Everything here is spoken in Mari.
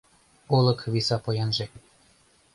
Олык виса поянже